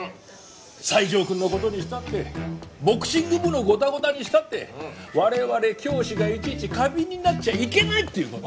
西条くんの事にしたってボクシング部のゴタゴタにしたって我々教師がいちいち過敏になっちゃいけないっていう事。